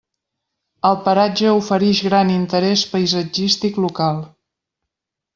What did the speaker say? El paratge oferix gran interés paisatgístic local.